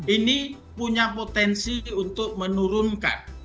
ini punya potensi untuk menurunkan